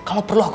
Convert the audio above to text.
kalau perlu aku